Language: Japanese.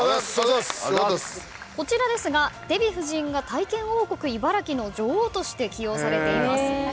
こちらですがデヴィ夫人が体験王国いばらきの女王として起用されています。